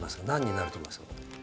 何になると思います？